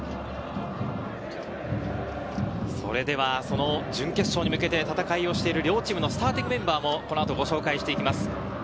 それではその準決勝に向けて、戦いをしている両チームのスターティングメンバーもこの後ご紹介していきます。